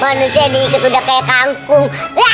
manusia di ikut udah kayak kangkung